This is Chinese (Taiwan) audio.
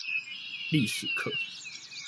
歷史課